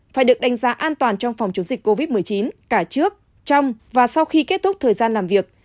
phải được đánh giá an toàn trong phòng chống dịch covid một mươi chín cả trước trong và sau khi kết thúc thời gian làm việc